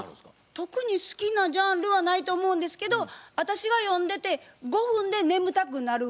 特に好きなジャンルはないと思うんですけど私が読んでて５分で眠たくなる本ばっかり読んでます。